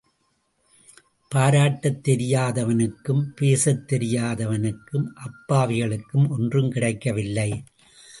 பாராட்டத் தெரியாதவனுக்கும் பேசத் தெரியாதவனுக்கும், அப்பாவிகளுக்கும் ஒன்றும் கிடைக்க வில்லை.